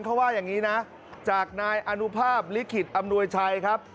เขาว่าอย่างนี้นะจากนายอนุภาพลิขิตอำนวยชัยครับ